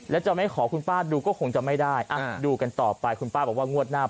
แล้วจะไม่ขอคุณป้าดูก็คงจะไม่ได้ดูกันต่อไปคุณป้าบอกว่างวดหน้า